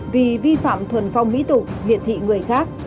vì vi phạm thuần phong bí tục miệt thị người khác